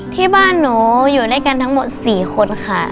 ที่บ้านหนูอยู่ด้วยกันทั้งหมด๔คนค่ะ